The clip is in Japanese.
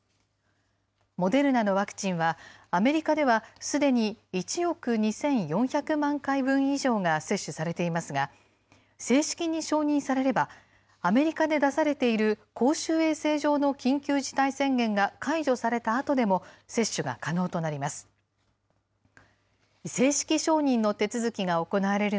モデルナのワクチンは、アメリカではすでに１億２４００万回分以上が接種されていますが、正式に承認されれば、アメリカで出されている公衆衛生上の緊急事態宣言が解除されたあとでも接種が可能となります。